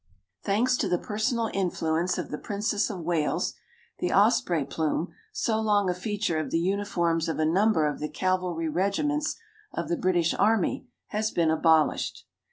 Thanks to the personal influence of the Princess of Wales, the osprey plume, so long a feature of the uniforms of a number of the cavalry regiments of the British army, has been abolished.